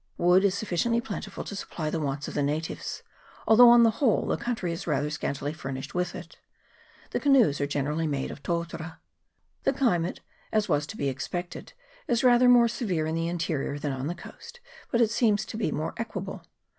Wood is sufficiently plentiful to supply the wants of the natives, although on the whole the country is rather scantily fur nished with it. The canoes are generally made of totara. The climate, as was to be expected, is rather more severe in the interior than on the coast, but it seems to be more equable.